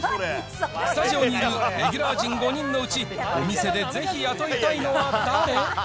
スタジオにいるレギュラー陣５人のうち、お店でぜひ雇いたいのは誰？